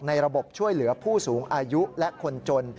ระบบช่วยเหลือผู้สูงอายุและคนจน